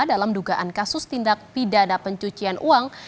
dalam dugaan kasus tindak pidana pencucian uang